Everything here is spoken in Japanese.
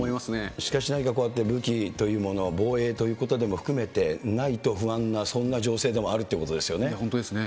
しかし、何かこうやって武器というものも防衛ということでも含めてないと不安な、そんな情勢本当ですね。